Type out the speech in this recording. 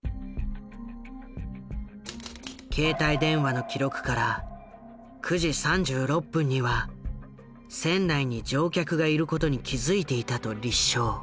携帯電話の記録から９時３６分には船内に乗客がいることに気付いていたと立証。